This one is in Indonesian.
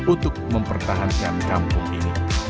untuk mempertahankan kampung ini